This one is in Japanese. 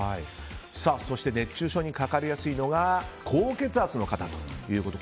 そして熱中症にかかりやすいのが高血圧の方ということ。